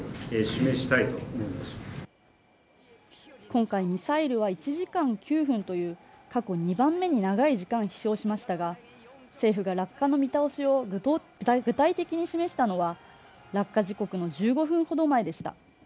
今回、ミサイルは１時間９分という過去２番目に長い時間飛しょうしましたが、政府が落下の見通しを具体的に示したのは落下時刻の１５分ほど前でした。